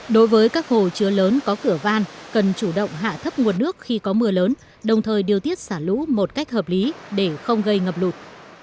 đối với các hồ chứa lớn có cửa van cần chủ động hạ thấp nguồn nước khi có mưa lớn đồng thời điều tiết xả lũ một cách hợp lý để không gây ngập lụt